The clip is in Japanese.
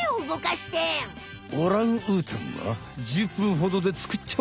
オランウータンは１０ぷんほどで作っちゃう！